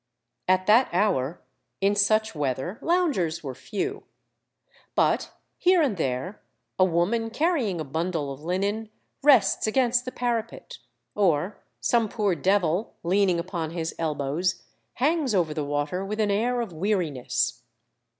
At that hour, in such weather, loungers were few. But here and there a woman carrying a bundle of linen rests against the para pet, or some poor devil, leaning upon his elbows, hangs over the water with an air of weariness.